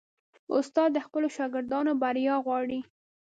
استاد د خپلو شاګردانو بریا غواړي.